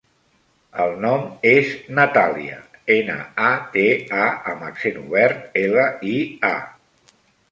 El nom és Natàlia: ena, a, te, a amb accent obert, ela, i, a.